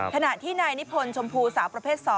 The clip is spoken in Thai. ถนัดที่นายนิพลชมพูสาวประเภท๒